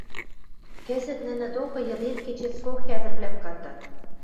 Кӹзӹт нӹнӹ докы йыдет-кечет со хӓдӹрвлӓм кандат...